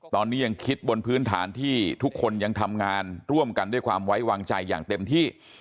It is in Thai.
ตอนนี้ยังคิดบนพื้นฐานที่ทุกคนยังทำงานร่วมกันด้วยความไว้วางใจอย่างเต็มที่